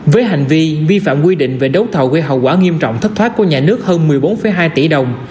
với hành vi vi phạm quy định về đấu thầu gây hậu quả nghiêm trọng thất thoát của nhà nước hơn một mươi bốn hai tỷ đồng